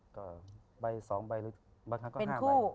ให้สองใบก็ห้าใบ